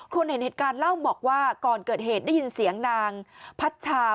เห็นเหตุการณ์เล่าบอกว่าก่อนเกิดเหตุได้ยินเสียงนางพัชชา